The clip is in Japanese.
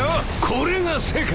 これが世界。